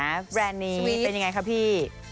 อ่าแบรนด์นี้เป็นอย่างไรนะพี่